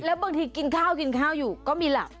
แล้วบางทีกินข้าวอยู่ก็มีหลับ